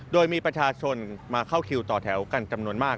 โดยมีประชาชนมาเข้าคิวต่อแถวกันจำนวนมาก